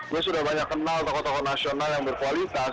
dia sudah banyak kenal tokoh tokoh nasional yang berkualitas